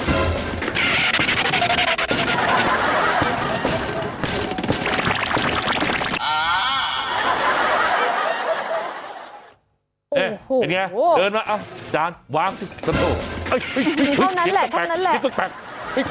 เอ้เป็นไงเดินมาเอาจานวางสังโตอุ้ยอุ้ยเขานั้นแหละเขานั้นแหละ